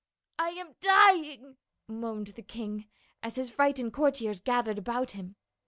" I am dying," moaned the king, as his frightened courtiers gathered about him.